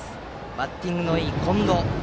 バッティングのいい近藤。